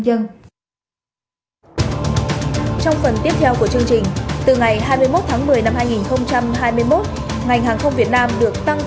và những bóng hồng thét